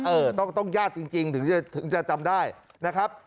เออต้องญาติจริงถึงจะจำได้นะครับ